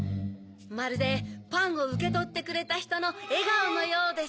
まるでパンをうけとってくれたひとのえがおのようです。